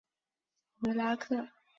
维拉克。